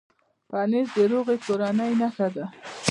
پنېر د روغې کورنۍ نښه ده.